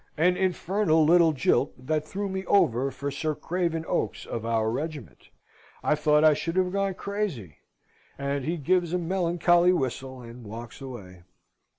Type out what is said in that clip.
An infernal little jilt that threw me over for Sir Craven Oaks of our regiment. I thought I should have gone crazy." And he gives a melancholy whistle, and walks away.